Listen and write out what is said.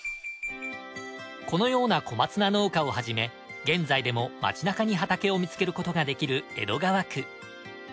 このような小松菜農家をはじめ現在でも町なかに畑を見つけることができる江戸川区。